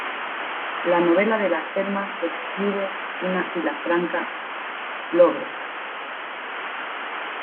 La novela de la Selma describe una Vilafranca lóbrega.